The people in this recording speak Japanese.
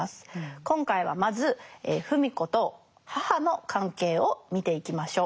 今回はまず芙美子と母の関係を見ていきましょう。